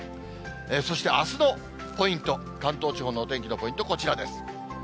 そしてあすのポイント、関東地方のお天気のポイント、こちらです。